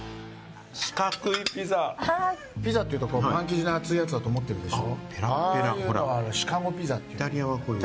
ピザ生地というと、パンみたいな厚いやつだと思ってるでしょ？